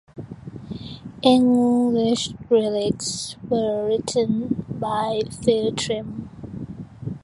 English lyrics were written by Phil Trim.